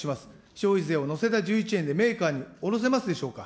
消費税を乗せた１１円でメーカーに卸せますでしょうか。